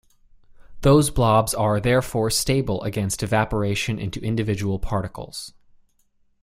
Those blobs are therefore stable against evaporation into individual particles.